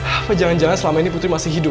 apa jangan jangan selama ini putri masih hidup